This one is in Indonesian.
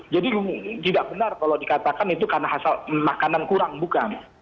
jadi tidak benar kalau dikatakan itu karena hasil makanan kurang bukan